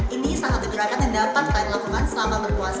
ini salah satu gerakan yang dapat kalian lakukan selama berpuasa